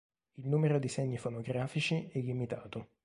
Il numero di segni fonografici è limitato.